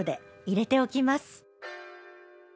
「入れておきます」